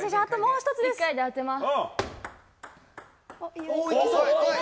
１回で当てます。